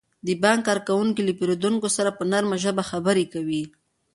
د بانک کارکوونکي له پیرودونکو سره په نرمه ژبه خبرې کوي.